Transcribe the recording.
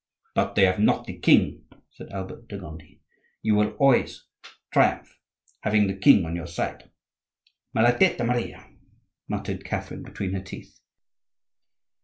"But they have not the king," said Albert de Gondi. "You will always triumph, having the king on your side." "Maladetta Maria!" muttered Catherine between her teeth.